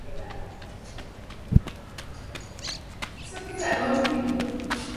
Alichezea klabu bora katika taaluma yake nchini Italia